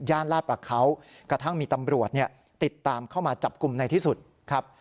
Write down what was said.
ลาดประเขากระทั่งมีตำรวจติดตามเข้ามาจับกลุ่มในที่สุดครับ